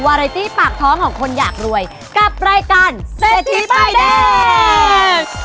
วารายตี้ปากท้องของคนอยากรวยกับรายการเซทีปายเด้ง